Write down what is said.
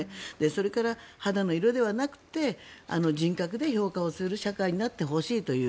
それから、肌の色ではなくて人格で評価をする社会になってほしいという。